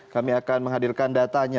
kami akan menghadirkan datanya